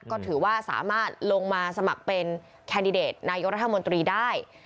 ก็ถือว่าสามารถลงมาสมัครเป็นแคนดิเดตนายกรัฐมนตรีได้